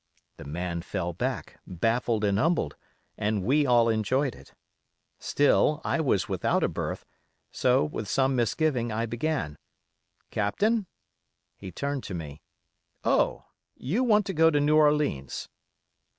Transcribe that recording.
The man fell back, baffled and humbled, and we all enjoyed it. Still, I was without a berth, so, with some misgiving, I began: 'Captain?' He turned to me. 'Oh! you want to go to New Orleans?